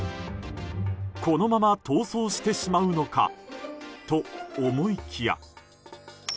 このまま逃走してしまうのかと思いきや。